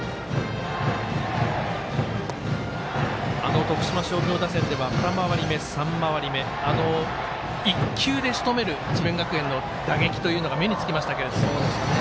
あの徳島商業打線では２回り目、３回り目１球でしとめる智弁学園の打撃というのが目につきましたけれども。